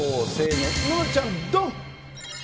ののちゃん、どん。